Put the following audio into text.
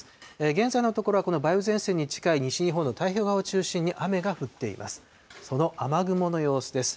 現在のところはこの梅雨前線に近い西日本の太平洋側を中心に雨が降っています。